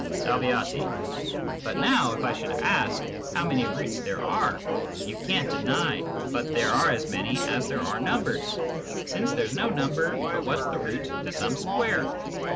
^^ Sah. But now, if I should ask how many Roots there are, you can't deny but there are as many as there are Numbers, since there's no Number but what's the Root to some Square.